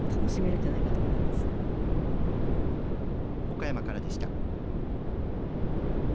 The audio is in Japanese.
岡山からでした。